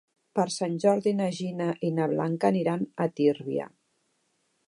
Per Sant Jordi na Gina i na Blanca aniran a Tírvia.